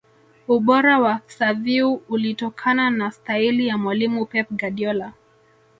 ubora wa xaviu ulitokana na staili ya mwalimu Pep Guardiola